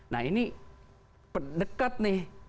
nah ini dekat nih